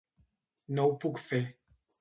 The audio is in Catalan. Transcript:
No ho puc fer.